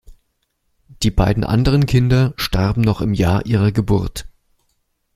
Die beiden anderen Kinder starben noch im Jahr ihrer Geburt.